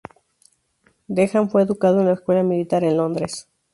Denham fue educado en la escuela militar en Londres.